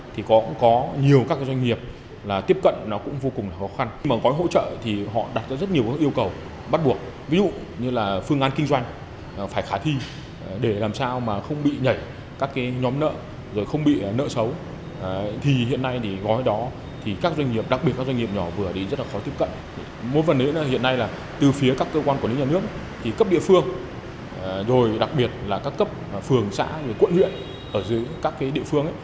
thì cấp địa phương rồi đặc biệt là các cấp phường xã quận huyện ở dưới các địa phương